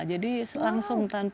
jadi ini adalah alat bantu tembaga cap